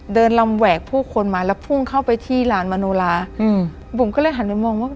เดินลำแหวกผู้คนมาแล้วพุ่งเข้าไปที่ลานมโนลาอืมบุ๋มก็เลยหันไปมองว่า